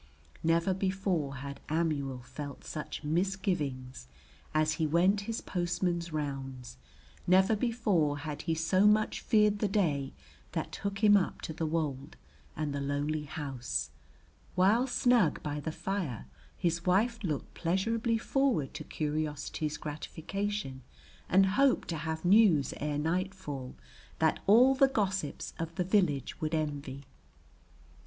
Never before had Amuel felt such misgivings as he went his postman's rounds, never before had he so much feared the day that took him up to the wold and the lonely house, while snug by the fire his wife looked pleasurably forward to curiosity's gratification and hoped to have news ere nightfall that all the gossips of the village would envy.